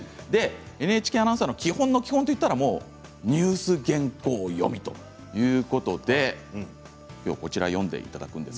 ＮＨＫアナウンサーの基本の基本といったらニュース原稿を読むということでこちらを読んでいただきます。